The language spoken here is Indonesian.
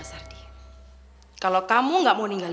ibat kamu semuanya tennessee